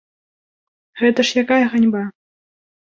Гэта ж якая ганьба.